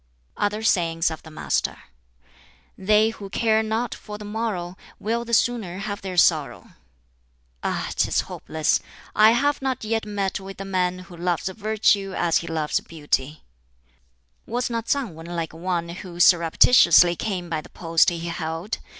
Other sayings of the Master: "They who care not for the morrow will the sooner have their sorrow. "Ah, 'tis hopeless! I have not yet met with the man who loves Virtue as he loves Beauty. "Was not Tsang Wan like one who surreptitiously came by the post he held?